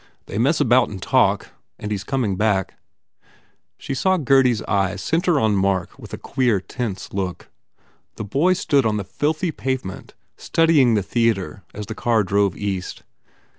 They mess about and talk and He s coming back." She saw Gurdy s eyes centre on Mark with a queer, tense look. The boy stood on the filthy pavement studying the theatre as the car drove east.